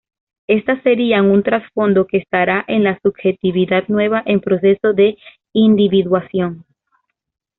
Estas serían un trasfondo que estará en la subjetividad nueva en proceso de individuación.